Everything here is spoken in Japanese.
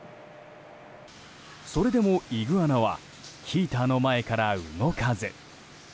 それでもイグアナはヒーターの前から動かず。